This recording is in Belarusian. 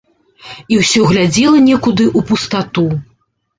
І ўсё глядзела некуды ў пустату.